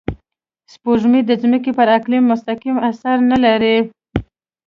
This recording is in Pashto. سپوږمۍ د ځمکې پر اقلیم مستقیم اثر نه لري